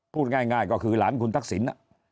พูดง่ายก็คือหลานคุณทักษิณ